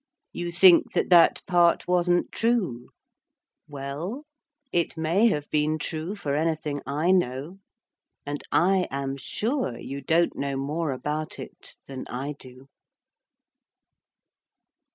You think that that part wasn't true, well, it may have been true for anything I know. And I am sure you don't know more about it than I do.